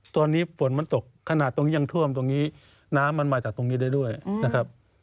ตอนนี้ฝนมันตกขนาดตรงนี้ยังท่วมตรงนี้น้ำมันมาจากตรงนี้ได้ด้วยนะครับ